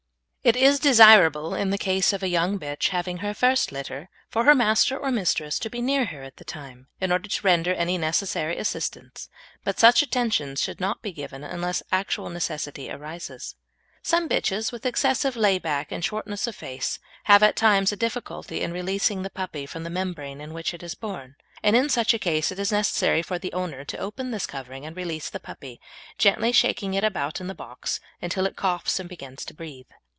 It is desirable, in the case of a young bitch having her first litter, for her master or mistress to be near her at the time, in order to render any necessary assistance; but such attentions should not be given unless actual necessity arises. Some bitches with excessive lay back and shortness of face have at times a difficulty in releasing the puppy from the membrane in which it is born, and in such a case it is necessary for the owner to open this covering and release the puppy, gently shaking it about in the box until it coughs and begins to breathe.